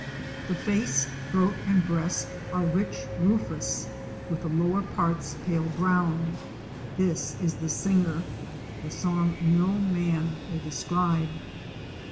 The face, throat and breast are rich rufous, with the lower parts pale brown. This is the singer. The song no man may describe!